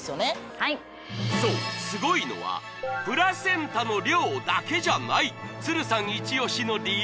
はいそうスゴいのはプラセンタの量だけじゃないさんイチオシの理由